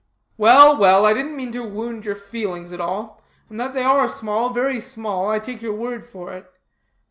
"Well, well, I didn't mean to wound your feelings at all. And that they are small, very small, I take your word for it.